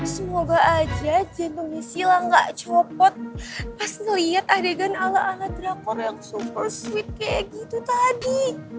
semoga aja jadi sila gak copot pas ngeliat adegan ala ala drakor yang super sweet kayak gitu tadi